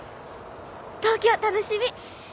東京楽しみ！